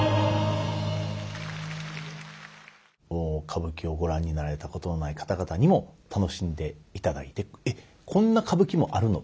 歌舞伎をご覧になられたことのない方々にも楽しんでいただいて「えっこんな歌舞伎もあるの！？」